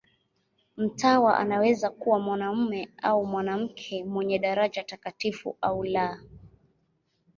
Mtawa anaweza kuwa mwanamume au mwanamke, mwenye daraja takatifu au la.